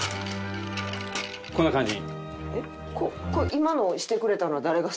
こんな感じに。